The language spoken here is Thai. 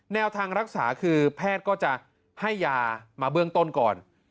แนวทางรักษาคือแพทย์ก็จะให้ยามาเบื้องต้นก่อน